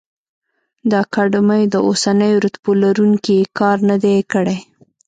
د اکاډمیو د اوسنیو رتبو لروونکي کار نه دی کړی.